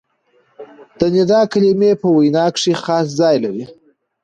د ندا کلیمې په وینا کښي خاص ځای لري.